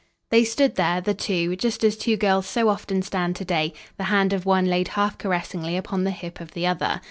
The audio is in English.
They stood there, the two, just as two girls so often stand to day, the hand of one laid half caressingly upon the hip of the other.